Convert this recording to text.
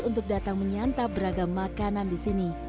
untuk datang menyantap beragam makanan di sini